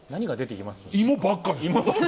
芋ばっかりですよ。